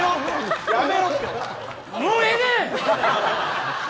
もうええねん。